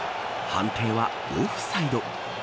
判定は、オフサイド。